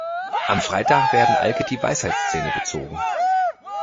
Am Freitag werden Alke die Weisheitszähne gezogen.